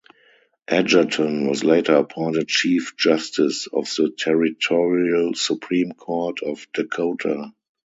Edgerton was later appointed chief justice of the Territorial Supreme Court of Dakota.